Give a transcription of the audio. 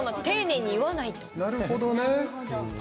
なるほどね。